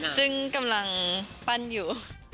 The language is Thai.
ซึ่งกำลังปั้นอยู่